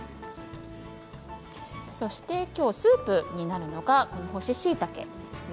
そしてきょうスープになるのが干ししいたけですね。